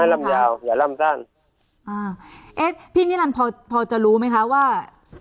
ลำยาวอย่าลำสั้นอ่าเอ๊ะพี่นิรันดิพอพอจะรู้ไหมคะว่า